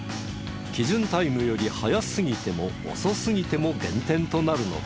基準タイムより速すぎても遅すぎても減点となるのだ。